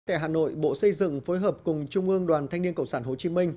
tại hà nội bộ xây dựng phối hợp cùng trung ương đoàn thanh niên cộng sản hồ chí minh